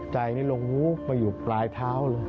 ใจนี่ลงหูไปอยู่ปลายเท้าเลย